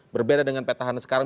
berbeda dengan peta hana sekarang